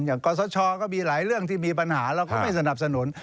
กรสชก็มีหลายเรื่องที่มีปัญหาเราก็ไม่สนับสนุน